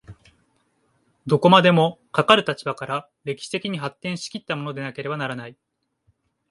どこまでもかかる立場から歴史的に発展し来ったものでなければならない。